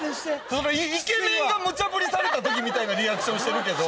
イケメンが無茶振りされたときみたいなリアクションしてるけど。